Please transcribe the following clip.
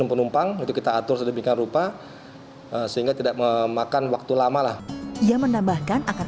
penumpang itu kita atur sedemikian rupa sehingga tidak memakan waktu lama lah ia menambahkan akan